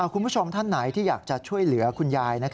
คุณผู้ชมท่านไหนที่อยากจะช่วยเหลือคุณยาย